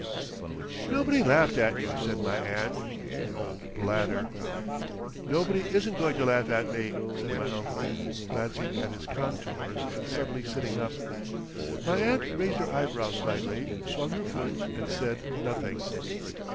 "Nobody laughed at you," said my aunt. "Old Bladder!" "Nobody isn't going to laugh at me," said my uncle, glancing at his contours and suddenly sitting up. My aunt raised her eyebrows slightly, swung her foot, and said nothing.